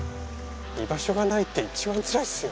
居場所がないって一番つらいっすよ。